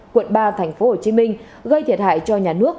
quận ba tp hcm gây thiệt hại cho nhà nước